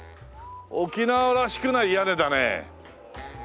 沖縄らしくない屋根だね。